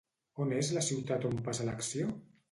On és la ciutat on passa l'acció?